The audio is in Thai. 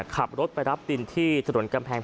ขับรถไปรับดินที่ถนนกำแพง